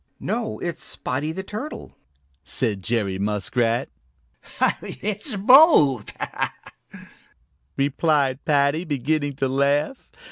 "No, it's Spotty the Turtle," said Jerry Muskrat. "It's both," replied Paddy, beginning to laugh.